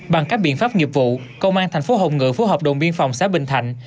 bằng các biện pháp nghiệp vụ công an tp hồng ngự phố hợp đồng biên phòng xã bình thạnh